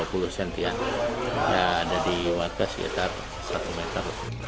ya ada di warga sekitar satu meter